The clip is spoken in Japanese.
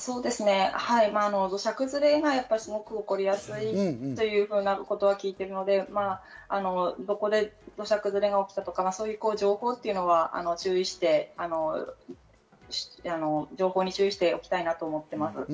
土砂崩れがすごく起こりやすいというふうなことは聞いているので、どこで土砂崩れが起きたとかそういう情報に注意しておきたいなと思っています。